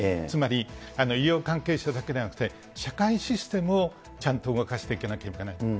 つまり、医療関係者だけじゃなくて、社会システムをちゃんと動かしていかなければいけない。